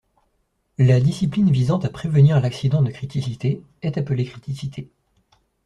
La discipline visant à prévenir l'accident de criticité est appelé criticité.